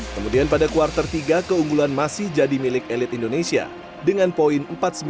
kemudian pada kuartal tiga keunggulan masih jadi milik elit indonesia dengan poin empat puluh sembilan tiga puluh tujuh